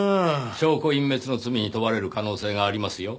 証拠隠滅の罪に問われる可能性がありますよ。